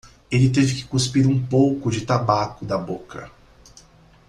Ele teve que cuspir um pouco de tabaco da boca.